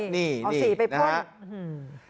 นี่นี่นี่เอาสีไปพ่น